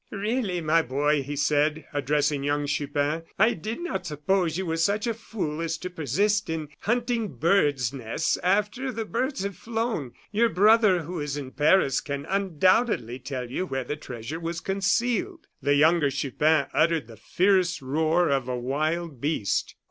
"Really, my boy," he said, addressing young Chupin, "I did not suppose you were such a fool as to persist in hunting birds' nests after the birds have flown. Your brother, who is in Paris, can undoubtedly tell you where the treasure was concealed." The younger Chupin uttered the fierce roar of a wild beast.